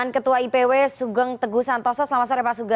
kami tidak diperkenankan atau tidak diingat